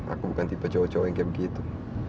aku bukan tipe cowok cowok yang kayak begitu